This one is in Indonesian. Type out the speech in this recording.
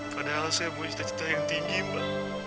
padahal saya punya cita cita yang tinggi mbak